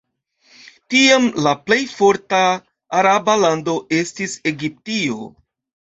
Tiam, la plej forta araba lando estis Egiptio.